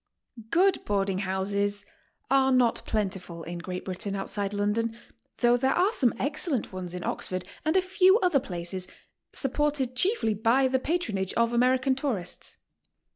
Good boarding houses are not plentiful in Great Britain outside London, though there are some excellent ones in Oxford and a few other places, supported chiefly by the pat ronage of American tourists.